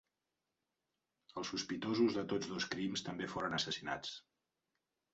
Els sospitosos de tots dos crims també foren assassinats.